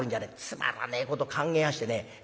つまらねえこと考えやしてね